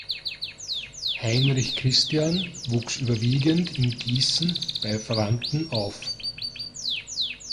Heinrich Christian wuchs überwiegend in Gießen bei Verwandten auf.